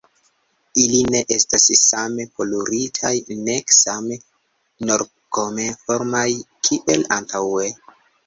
Ili ne estas same poluritaj, nek same normkonformaj kiel antaŭe.